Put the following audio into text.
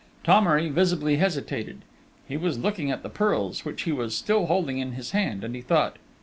Thomery visibly hesitated.... He was looking at the pearls, which he was still holding in his hand, and he thought.